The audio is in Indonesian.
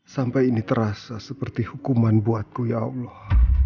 sampai ini terasa seperti hukuman buatku ya allah